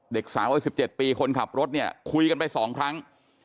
เด็กสาววัย๑๗ปีคนขับรถเนี่ยคุยกันไป๒ครั้ง